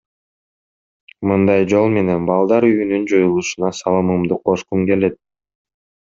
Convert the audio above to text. Мындай жол менен балдар үйүнүн жоюлушуна салымымды кошкум келет.